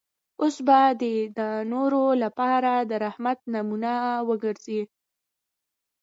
اوس به دی د نورو لپاره د رحمت نمونه وګرځي.